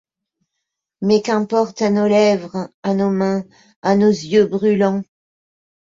Mais qu'importe à nos lèvres, à nos mains, à nos yeux brûlants ?